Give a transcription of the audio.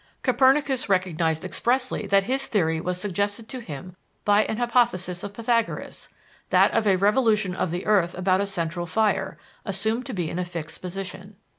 Copernicus recognized expressly that his theory was suggested to him by an hypothesis of Pythagoras that of a revolution of the earth about a central fire, assumed to be in a fixed position.